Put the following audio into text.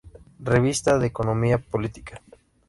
Revista de Economía Política".